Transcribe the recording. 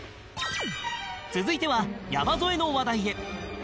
続いては山添の話題へ